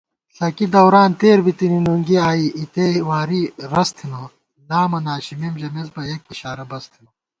ݪَکی دوران تېر بِتِنی نُنگی آئی اِتےواری رَس تھنہ * لامہ ناشِمېم ژَمېس بہ یَک اِشارہ بس تھنہ